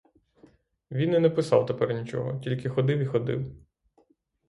Він і не писав тепер нічого, тільки ходив і ходив.